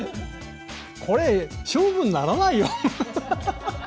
これ勝負にならないよ。